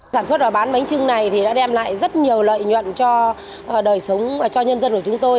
giảm suất và bán bánh trưng này đã đem lại rất nhiều lợi nhuận cho đời sống cho nhân dân của chúng tôi